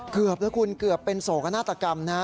เกือบแล้วคุณเกือบเป็นโศกนาฏกรรมนะ